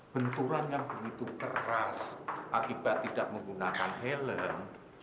benturan yang begitu keras akibat tidak menggunakan helm